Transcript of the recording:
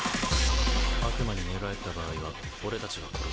「悪魔に寝返った場合は俺たちが殺す」